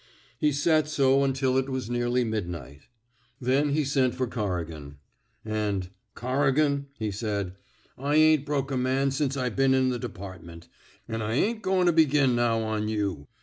He sat so until it was neariy midnight. Then he sent for Corrigan; and Corri gan,'* he said, *' I ain't broke a man since I been in the department, an' I ain't goin' to begin now on you.